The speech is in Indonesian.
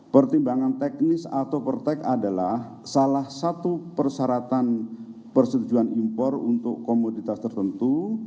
pertimbangan teknis atau pertek adalah salah satu persyaratan persetujuan impor untuk komoditas tertentu